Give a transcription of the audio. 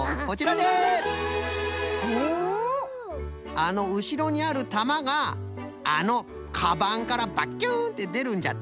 あのうしろにあるたまがあのかばんから「バキューン！」ってでるんじゃと。